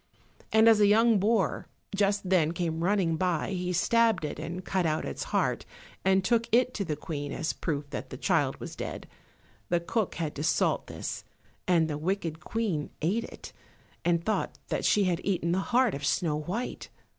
And as a young boar just then came running by he stabbed it, and cut out its heart and took it to the Queen as proof that the child was dead. The cook had to salt this, and the wicked Queen ate it, and thought she had eaten the heart of Snow white.